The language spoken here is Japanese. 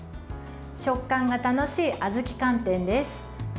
食感が楽しい、あずき寒天です。